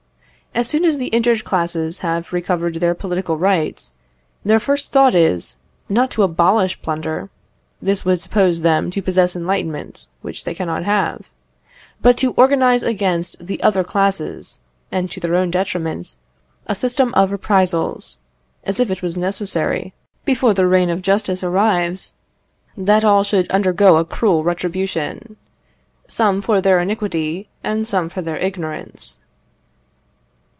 As soon as the injured classes have recovered their political rights, their first thought is, not to abolish plunder (this would suppose them to possess enlightenment, which they cannot have), but to organise against the other classes, and to their own detriment, a system of reprisals, as if it was necessary, before the reign of justice arrives, that all should undergo a cruel retribution, some for their iniquity and some for their ignorance.